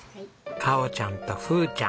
かおちゃんとふーちゃん。